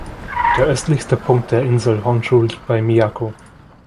Der östlichste Punkt der Insel Honshu liegt bei Miyako.